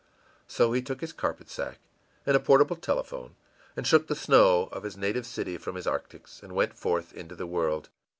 î So he took his carpet sack and a portable telephone, and shook the snow of his native city from his arctics, and went forth into the world.